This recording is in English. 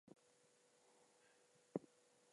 Rains was born in New York City.